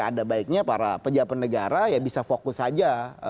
ada baiknya para pejabat negara ya bisa fokus saja